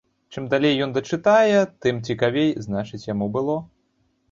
Чым далей ён дачытае, тым цікавей, значыць, яму было.